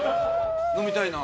飲みたいな。